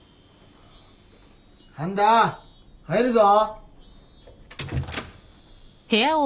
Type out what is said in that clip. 半田入るぞ。